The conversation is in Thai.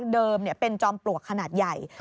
เดิมเป็นจอมปลวกขนาดใหญ่